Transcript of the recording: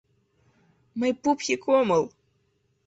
— Мый пупсик омыл!